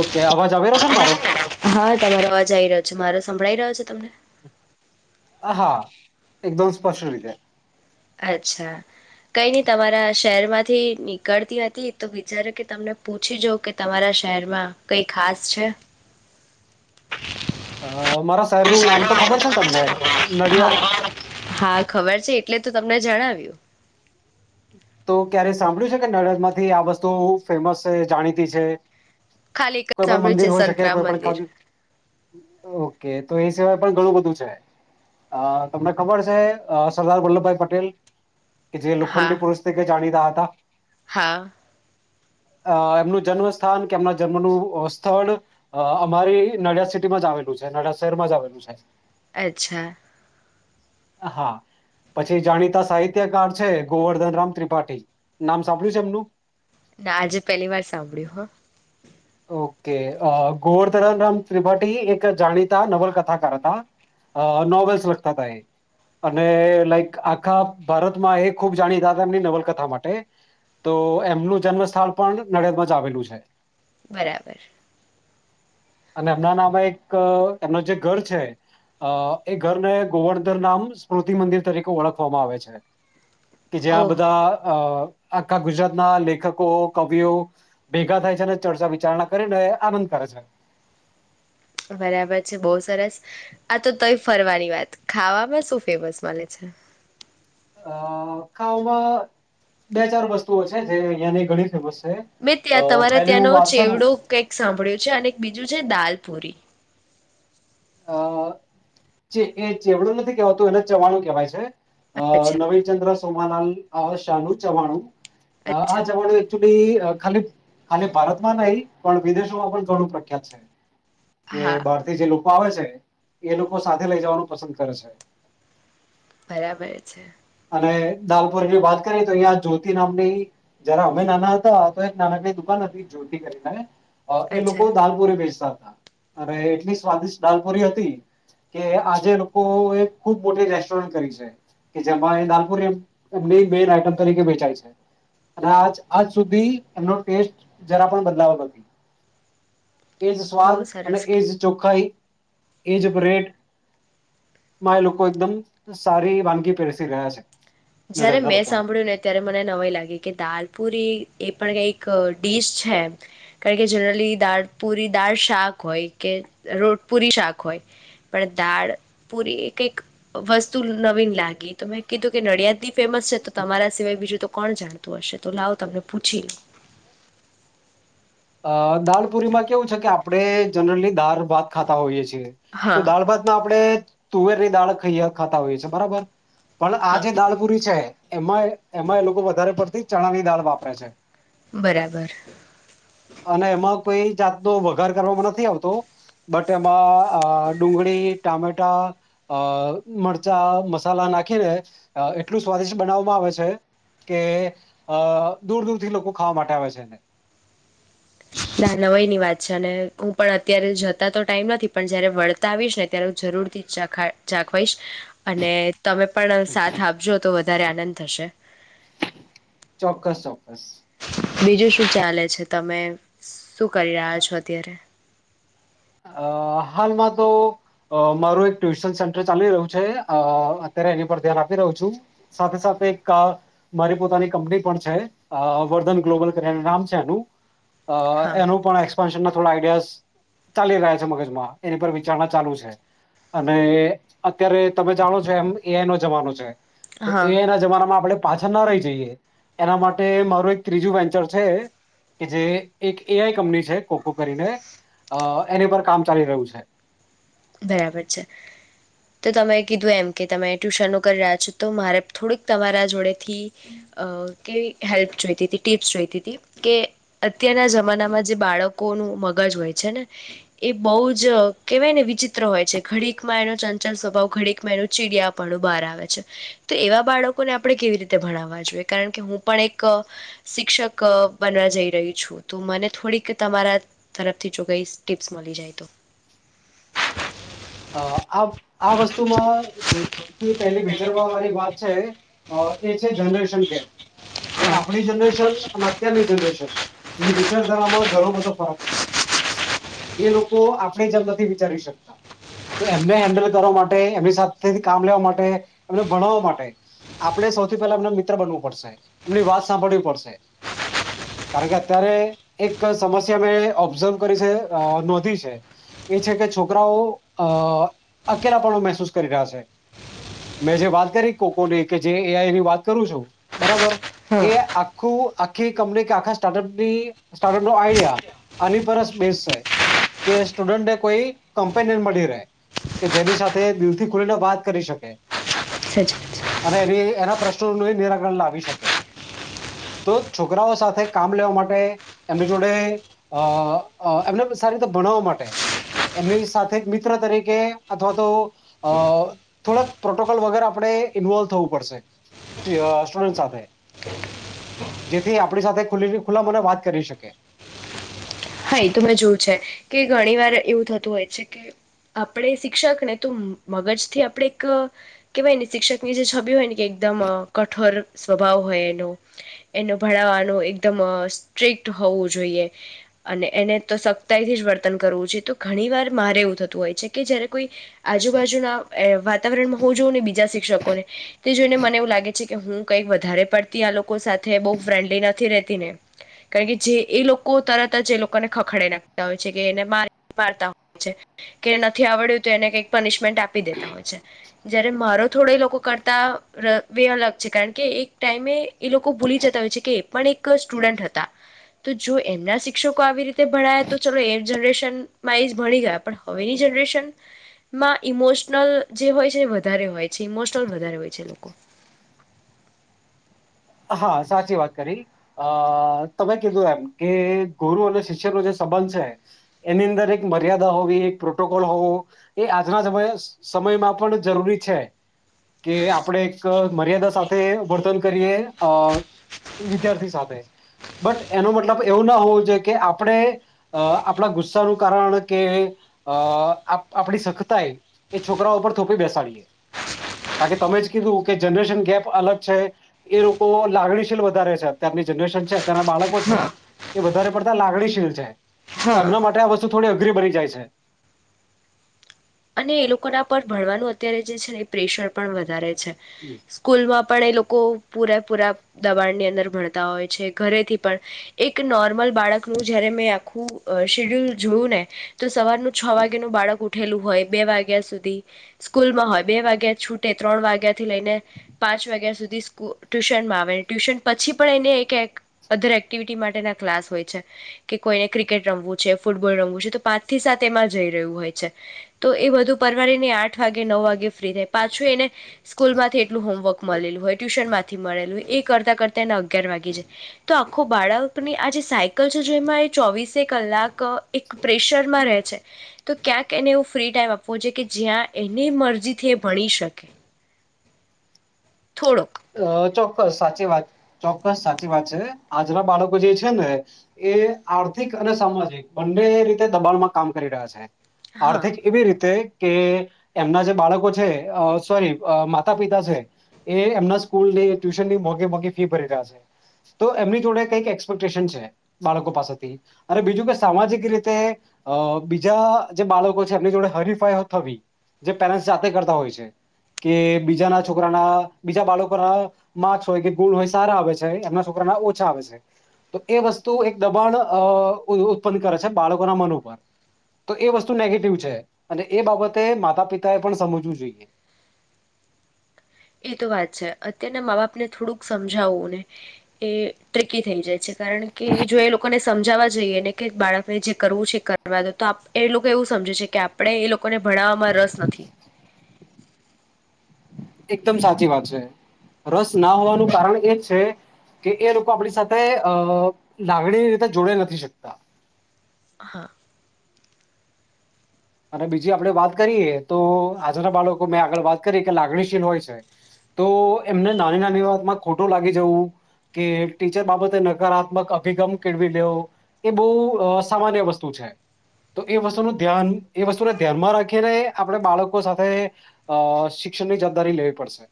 Okay અવાજ આવેલો છે ને મારો? હા તમારો અવાજ આઈ રહ્યો છે મારો સંભળાઈ રહ્યો છે તમને? હા, એકદમ સ્પષ્ટ રીતે. અચ્છા કઈની તમારા શહેરમાંથી નીકળતી હતી તો વિચાર્યુ કે તમને પૂછી જોઉં કે તમારા શહેરમાં કઈ ખાસ છે? અ મારા શહેરનું નામ તો ખબર છે ને તમને હા નડિયાદ. હા ખબર છે એટલે તો તમને જણાવ્યું તો ક્યારે સાંભળ્યું છે કે નડિયાદમાંથી આ વસ્તુ ફેમસ છે જાણીતી છે. ખાલી એક જ કોઈ પણ સાંભળ્યું મંદિર છે હોય શકે સંતરામ કોઈ પણ મંદિર [unintelligible] ઓકે. તો એ સિવાય પણ ઘણું બધું છે અ તમને ખબર છે અ સરદાર વલ્લભભાઈ પટેલ? કે જે હા લોખંડી જાણીતા હતાં. હા. અ એમનું જન્મસ્થાન કે એમના જન્મનું સ્થળ અ અમારી નડિયાદ સિટીમાં જ આવેલું છે નડિયાદ શહેરમાં જ આવેલું છે. અચ્છા. હા પછી જાણીતા સાહિત્યકાર છે ગોવર્ધન રામ ત્રિપાઠી નામ સાંભળ્યું છે એમનું? ના આજે પેલી વાર સાંભળ્યું હ. ઓકે, અ ગોવર્ધનનરામ ત્રિપાઠી એક જાણીતા નવલકથાકાર હતા અ નોવેલ્સ લખતા હતા એ અને લાઈક આખા ભારતમાં એ ખૂબ જાણીતા હતા એમની નવલકથા માટે તો એમનું જન્મસ્થાન પણ નડિયાદમાં જ આવેલું છે. બરાબર. અને એમના નામે એક એમનું જે ઘર છે અ એ ઘરને ગોવર્ધનરામ સ્મૃતિ મંદિર તરીકે ઓળખવામાં આવે છે. કે જ્યાં ઓહો બધા અ આખા ગુજરાતના લેખકો, કવિઓ ભેગા થાય છે ને ચર્ચા વિચારણા કરીને આનંદ કરે છે. બરાબર છે બહુ સરસ, આ તો તોય ફરવાની વાત ખાવામાં શું ફેમસ મલે છે? અ ખાવામાં બે ચાર વસ્તુઓ છે જે અહિયાંની ઘણી ફેમસ છે મેં અ ત્યાં તમારા પેલી હું ત્યાંનો વાત કરું ચેવડો કંઈક સાંભળ્યું છે અને બીજું છે દાલ પૂરી અ ચે એ ચેવડું નથી કેવાતું એને ચવાણું કેહવાય છે. અ અચ્છા નવીચંદ્ર સોમાલાલ હા, શાનું ચવાણું? અચ્છા વળી એક ચુ લી ખાલી ભારતમાં નહીં પણ વિદેશોમાં પણ ઘણું પ્રખ્યાત છે. કે હા ભારતીય જે લોક આવે છે એ લોકો સાથે લઈ જવાનું પસંદ કરે છે. બરાબર છે. અને દાલપોર વાત કરી તો અહં જ્યોતિ નામની જયારા અમે નાના હતા તો એક નાના કઈ દુકાન હતી જતિ કરીને અ એ અચ્છા લોકો દાલપુરી બેચતા અરે એટલી સ્વાદિષ્ટ દાલપોરી હતી કે આજે લોકો ખુબ મોટી રેસ્ટોરન્ટ કરી છે. જેમાં દાલપુરી મેન આઈટમ તરીકે વેચાય છે અને આજ સુધી એનો ટેસ્ટ જરા પણ બદલાવો નથી એજ બહુ સ્વાદ અને સરસ એજ કહેવાય ચોખાઈ. એજ રેટ મા એ લોકો એકદમ સારી વાનગી પેર રહ્યા છે. જયારે મેં સાંભળ્યું ને ત્યારે મને નવાઈ લાગી કે દાલપુરી એ પણ કઈક ડીશ છે એમ કારણ કે જનરલી દાળ પૂરી દાળ શાક હોય, કે રોટ પુરી શાક હોય, પણ દાળ પૂરી કઈક વસ્તુ નવીન લાગી તો મેં કીધું કે નડિયાદ ફેમસ છે તો તમારા સિવાય બીજું તો કોણ જાણતું હશે તો લાવ તમને પૂછી લોઉ અ દાલ પુરીમાં કેવું છે કે આપડે જનરલી દાળ ભાત ખાતા હોઈએ છીએ હા તો દાળ ભાત ના આપણે તુવેરની દાળ ખઇ ખાતા હોય છે બરાબર પણ આ હા જે દાળપુરી છે, એમ આઈ એમાં એ લોકો વધારે પડતી ચણ ની દાળ વાપરે છે. બરાબર. અને એમાં કોઈ જાતનો વઘાર કરવામાં નથી આવતો બટ એમાં ડુંગળી ટામેટા અ મરચાં મસાલા નાખીને એટલું સ્વાદિષ્ટ બનાવવામાં આવે છે કે અ દૂર દૂરથી લોકો ખાવા માટે આવે છે એને ના નવાઈ ની વાત છે અને હું પણ અત્યારે જતા તો ટાઈમ નથી પણ જયારે વળતા આવીશ ને ત્યારે હું જરૂર થી ચખ ચાખવાઈશ અને તમે પણ સાથ આપજો તો વધ વધારે આનંદ થશે. ચોક્કસ ચોક્કસ બીજું શું ચાલે છે તમે શું કરી રહ્યા છો અત્યારે અ હાલમાં તો મારું એક ટ્યુશન સેન્ટર ચાલી રહ્યું છે, અ અત્યારે એની પર ધ્યાન આપી રહું છું સાથે સાથે એક મારી પોતાની કંપની પણ છે વર્ધન ગ્લોબલ કરીને નામ છે એનું અ હા એનું પણ એક્સપન્શન નથી થોડા આઈડિયાસ ચાલી રહ્યા છે મગજમાં એની પર વિચારણા ચાલુ છે અને અત્યારે તમે જાણો છો એમ એઆઈ નો જમાનો છે. તો હા એ આઈ ના જમાનામાં આપણે પાછળ ના રહી જઈએ એના માટે મારું એક ત્રીજું વેન્ચર છે કે જે એક એ આઈ કંપની છે કોકો કરીને અ એની પર કામ ચાલી રહ્યું છે. બરાબર છે તો તમે કીધું એમ કે તમે ટ્યુશનો કરી રહ્યા છો તો મારે થોડુંક તમારા જોડે થી અ કેવી હેલ્પ જોઈતી ટીપ્સ જોઈતી હતી કે અત્યારના જમાનામાં જે બાળકોનુંું મગજ હોય છે ને એ બહુ જ કેહેવાય ને વિચ હોય છે ઘડીકમાં એનો ચંચલ સ્વભાવ ઘડીકમાં એનું ચીડિયાપણું બહાર આવે છે તો એવા બાળકોને આપણે કેવી રીતે ભણાવવા જોઈએ કારણ કે હું પણ એક શિક્ષક બનવા જઈ રહી છું તો મને થોડીક તમારા તરફથી જો કઈ ટીપ્સ મળી જાય તો હા [unintelligible] અ આ આ વસ્તુમાં સૌથી પહેલી રી વાત છે એ છે જનરેશન કેમ.. કે હા આપણી જનરેશન અને અત્યારની જનરેશન ની વિચારધારામાં ઘણો બધો ફરક છે એ લોકો આપણે જમ નથી વિચારી શકતા.. તો એમને હેન્ડલ કરવા માટે એમની સાથે કામ લેવા માટે એમને ભણાવવા માટે આપણે સૌથી પહેલા એમને મિત્ર બનવું પડશે એમની વાત સાંભળવી પડશે કારણ કે અત્યારે એક સમસ્યા મેં ઓબ્ઝર્વ કરી છે નોંધી છે એ છે કે છોકરાઓ.... અ અકેલા પણો મહેસૂસ કરી રહ્યા છે મેં જે વાત કરી કોકોની કે જેની વાત કરું છું બરાબર.. હા એ આ... આખું આખી કંપની કે આખા સ્ટાર્ટઅપ ની સ્ટાર્ટઅપ નો આઈડિયા આની પર બેઝ છે કે સ્ટુડન્ટને કોઈ કંપનીને મળી કે જેની સાથે દિલથી ખુલીને વાત કરી શકે સાચી વાત છે અને એની એના... પ્રશ્નો ન નિરાકરણ લાવી શકે તો છોકરાઓ સાથે કામ લેવા માટે એમની જોડે અ અ એમને સારી રીતે ભનાવવા માટે એમની સાથે... તરીકે અથવા તો અ થોડક પ્રોટોકોલ વગ આપણે ઇન્વોલ્વ થવું પડશે અ સુડટ સાથે જેથી આપણી સાથે ખુ ખુલ્લા મને વાત કરી શકે હા એ તો મેં જોયું છે કે ઘણી વાર એવું થતું હોય છે કે આપણે શિક્ષક ને તો મગજ થી આપણે એક કેવાય ને શિક્ષકની જે છબી હોય ને કે એકદમ કઠોર સ્વભાવ હોય એનો એનો ભણાવવાનો એકદમ સ્ટ્રિક્ટ હોવું જોઈએ અને એને તો સખ્તાઈથી જ વર્તન કરવું જોઈએ તો ઘણી વાર મારે એવું થતું હોય છે કે જયારે કોઈ આજુબાજુના એ વાતાવરણમાં હું જોઉં ને બીજા શિક્ષકોને તે જોઈને મને એવું લાગે છે કે હું કંઈક વધારે પડતી આ લોકો સાથે બહુ ફ્રેન્ડલી નથી રહેતી ને કારણ કે જે એ લોકો તરત.. ને ખખડાઇ નાખતા હોય છે કે એને મા મારતા હોય છે કે નથી આવડ્યું તો એને કક પનિશમેન્ટ આપી દેતા હોય છે જયારે મારો થોડો લોકો કરતા બે અલગ છે કારણ કે એક ટાઈમે એ લોકો ભૂલી જતા હોય છે કે એ પણ એક સ્ટુડન્ટ હતા તો જો એમના.. શિક્કો આવી રીતે ભણયા તો ચાલ એ જનરેશનમાં એ જ ભણી ગયા પણ હવેની જનરેશનમાં ઈમોશનલ જે હોય છે વધારે હોય છે ઇમોશનલ વધારે હોય છે લોકો હા સાચી વાત કરી અ તમે કીધું એમ કે ગુરુ અને શિષ્યનો જે સંબંધ છે એની અંદર એક મર્યાદા હોવી એક પ્રોટોકોલ હોવો એ આજના સમય સમયમાં પણ જરૂરી છે કે આપણે એક મર્યાદા સાથે વર્તન કરીએ.. અ વિદ્યાર્થી સાથે બટ એનો મતલબ એવું ના હોવું જોઈએ કે આપણે અ આપણા ગુસ્સાનું કારણ કે અ આપણી સખ્તાએ એ છોકરાઓ ઉપર થોપી બેસાડીએ કારણ કે તમે જ કીધું કે જનરેશન ગેપ અલગ છે એ.. લોકો લાગણીશીલ વધારે છે અતારની જનરેશન છે. તેના બાળકો છે. હા એ વધારે પડતા લાગણીશીલ છે. તો હા એમના માટે આ વસ્ થોડી અઘરી બની જાય છે અને એ લોકોના પર ભણવાનું અત્યારે જે છે ને એ પ્રેશર પણ વધારે છે સ્કૂલમાં પણ એ લોકો... લોકો પૂરેપૂરા દબાણની અંદર ભણતા હોય છે ઘરેથી પણ એક નોર્મલ બાળકનું જયારે મેં આખું શેડ્યુલ અ જોયું ને તો સવારનું છ વાગેનું બાળક ઉઠેલું હોય બે વાગ્યા સુધી સ્કૂલમાં હોય બે વાગ્યા છૂટે ત્રણ વાગ્યા થી લઈને પાંચ વાગ્યા સુધી સ્કૂલ ટ્યુશનમાં આવે ટ્યુશન પછી પણ એને એક અધર એક્ટિવિટી માટેના ક્લાસ હોય છે કે કોઈને ક્રિકેટ રમવું છે ફૂટબોલ રમવું છે તો પાંચ થી સાત એમાં જઈ રહ્યું હોય છે તો એ બધું પરવારળને આઠ વાગે નવ વાગે ફ્રી થાય પાછું એને સ્કૂલ માંથી એટલું હોમવર્ક મળેલું હોય ટ્યુશન માંથી મળેલું હોય એ કરતા કરતા એને અગિયાર વાગે જાય તો આખો બાળકની આ જે સાયકલ છે જેમાં એ ચોવીસે કલાક.. પ્રેશરમાં રહે છે તો ક્યાંક એને.. ફ્રી ટાઈમ આપવો છે કે જ્યાં એની મરજીથી એ ભણી શકે થોડો અ ચોક્કસ સાચી વાત ચોક્કસ સાચી વાત છે આજના બાળકો જે છે ને એ આર્થિક અને સામાજિક બંને રીતે દબાણમાં કામ કરી રહ્યા છે હા આર્થિક એવી રીતે કે એમના જે બાળકો છે અ સોરી માતા પિતા છે એ એમના... ુની મોઘે મો ફી ભરી રહ્યા છે તો એમની જોડે કઈક એક્સપેક્ટેશન છે બાળકો પાસેથી અને બીજું કે સામાજિક રીતે અ બીજા જે બાળકો છે એમની જોડે હરીફાઈ થવી જે પેરેન્ટ જાતે કરતા હોય છે કે બીજાના છોકરાના બીજા બાળકો છકરા માછ હોય કે ગુણ હોય સારા આવે છે એમના છોકરાના ઓછા આવે છે તો એ વસ્તુ એક દબાણ અ ઉત્પન્ન કરે છે બાળકોના મન ઉપર તો એ વસ્તુ નેગેટિવ છે અને એ બાબતે માતા પિતા એ પણ સમજવું જોઈએ. એ તો વાત છે અત્યારના મા બાપને થોડુંક સમજાવું ને એ ટકી થઈ જાય છે કારણ કે જો એ લોકોને સમજાવવા જઈએ ને કે બાળકને જે કરવું છે, એ કરવા દો તો આપ એ લોકો એવું સમજે છે, કે આપણે એ લોકોને ભણ રસ નથી. એકદમ સાચી વાત છે, રસ ના હોવાનું કારણ એ છે, કે એ લોકો આપણી સાથે અ લાગણી રીતે જોડે નથી શકતા. હા અને બીજી આપણે વાત કરીએ તો [unintelligible] બાળકો મેં આગળ વાત કરીએ કે લાગણીશીલ હોય છે, તો એમને નાની નાની વાતમાં ખોટું લાગી જવું કે ટીચર બાબતે નકારાત્મક અભિગમ કેળવી દેવો એ બહુ સામાન્ય વસ્તુ છે, તો એ વસ્તુનું ધ્યાન એ વસ્તુને ધ્યાનમાં રાખીને આપણે બાળકો સાથે અ શિક્ષણની જબદારી લેવી પડશે.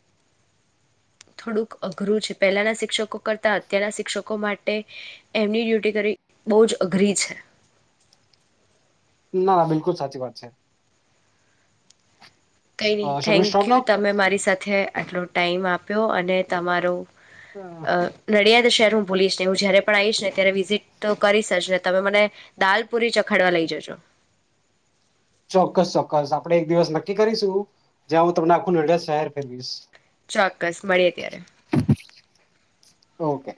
થોડુંક અઘરું છે, પહેલાના શિક્ષકો કરતા અત્યારના શિક્ષકો માટે એમની ડ્યુટી કરવી બહુ જ અઘરી છે. ના [unintelligible] બિલકુલ સાચી વાત છે. કઈ નહી should we thank stop you now તમે મારી સાથે આટલો ટાઈમ આપ આપ્યો અને [unintelligible] અ નડ્યા શહેર હું ભૂલીશ ને હું જયારે પણ આવીઈશ ને ત્યારે વિઝિટ તો કરીશજ ને તમે મને દાલપુરી ચખાડવા લઈ જજો. ચોક્કસ ચોક્કસ આપડે એક દિવસ નક્કી કરીશું જ્યાં હું તમને આખું [unintelligible] શહેર ફેરવીશ. ચોક્કસ મળીએ ત્યારે ઓકે